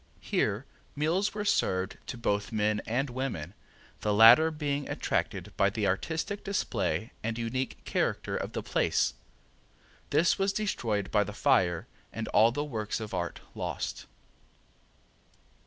Here meals were served to both men and women, the latter being attracted by the artistic display and unique character of the place. This was destroyed by the fire and all the works of art lost.